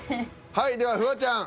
はいではフワちゃん。